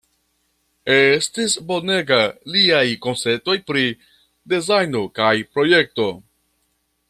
Estis bonega liaj konceptoj pri dezajno kaj projekto.